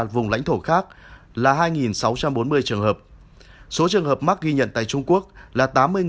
vùng lãnh thổ khác là hai sáu trăm bốn mươi trường hợp số trường hợp mắc ghi nhận tại trung quốc là tám mươi tám trăm bốn mươi bốn